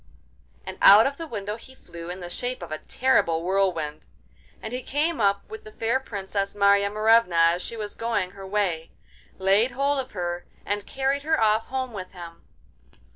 and out of the window he flew in the shape of a terrible whirlwind. And he came up with the fair Princess Marya Morevna as she was going her way, laid hold of her and carried her off home with him.